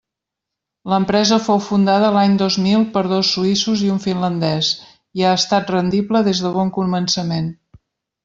L'empresa fou fundada l'any dos mil per dos suïssos i un finlandès, i ha estat rendible des de bon començament.